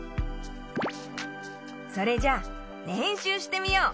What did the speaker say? それじゃれんしゅうしてみよう。